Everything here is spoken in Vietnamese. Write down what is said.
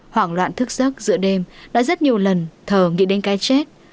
hoảng loạn thức giấc giữa đêm đã rất nhiều lần thờ nghĩ đến cái chết